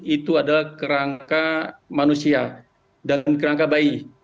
itu adalah kerangka manusia dan kerangka bayi